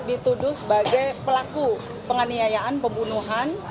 dituduh sebagai pelaku penganiayaan pembunuhan